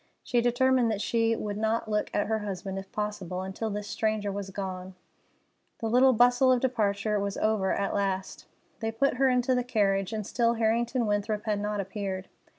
She determined that she would not look at her husband, if possible, until this stranger was gone. The little bustle of departure was over at last. They put her into the carriage, and still Harrington Winthrop had not appeared.